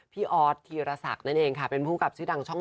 พี่ออธทีรสักเป็นผู้กรับชื่อดังช่อง๗